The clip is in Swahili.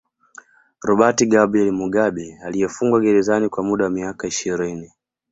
Robert Gabriel Mugabe aliyefungwa gerzani kwa muda wa miaka ishirini